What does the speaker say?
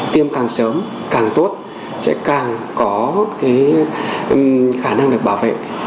tiêm càng sớm càng tốt sẽ càng có cái khả năng được bảo vệ